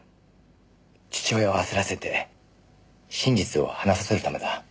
父親を焦らせて真実を話させるためだ。